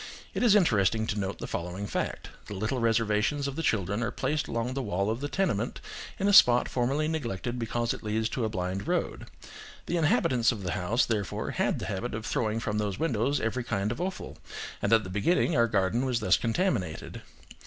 It is interesting to note the following fact: the little reservations of the children are placed along the wall of the tenement, in a spot formerly neglected because it leads to a blind road; the inhabitants of the house, therefore, had the habit of throwing from those windows every kind of offal, and at the beginning our garden was thus contaminated.